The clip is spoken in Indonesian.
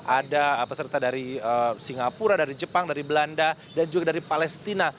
ada peserta dari singapura dari jepang dari belanda dan juga dari palestina